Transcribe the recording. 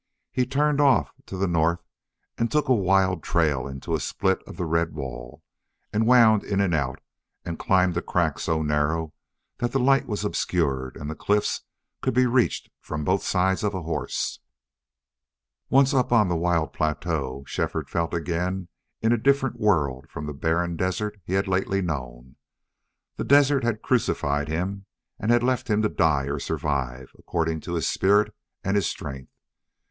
He turned off to the north and took a wild trail into a split of the red wall, and wound in and out, and climbed a crack so narrow that the light was obscured and the cliffs could be reached from both sides of a horse. Once up on the wild plateau, Shefford felt again in a different world from the barren desert he had lately known. The desert had crucified him and had left him to die or survive, according to his spirit and his strength.